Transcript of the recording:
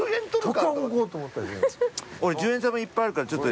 俺１０円玉いっぱいあるからちょっと。